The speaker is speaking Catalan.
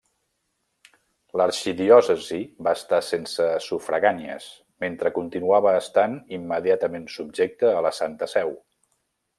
L'arxidiòcesi va estar sense sufragànies, mentre continuava estant immediatament subjecta a la Santa Seu.